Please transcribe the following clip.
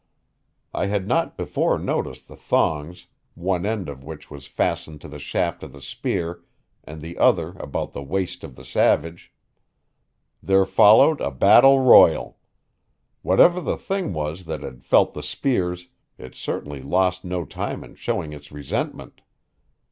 I had not before noticed the thongs, one end of which was fastened to the shaft of the spear and the other about the waist of the savage. There followed a battle royal. Whatever the thing was that had felt the spears, it certainly lost no time in showing its resentment.